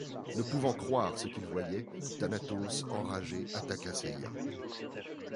Ne pouvant croire ce qu’il voyait, Thanatos, enragé, attaqua Seiya.